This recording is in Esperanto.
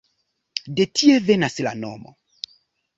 De tie venas la nomo.